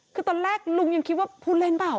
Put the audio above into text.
คือตอนแรกลุงยังคิดว่าผู้เล่นเปล่า